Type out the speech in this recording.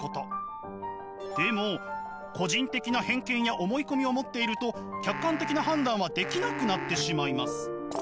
でも個人的な偏見や思い込みを持っていると客観的な判断はできなくなってしまいます。